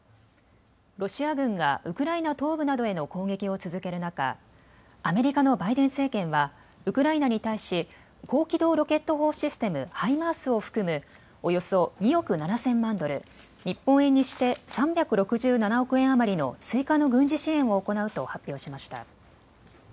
ロシア軍がウクライナ東部などへの攻撃を続ける中、アメリカのバイデン政権はウクライナに対し高機動ロケット砲システム・ハイマースを含むおよそ２億７０００万ドル、日本円にして３６７億円余りの追加の軍事支援を行うと発表しました。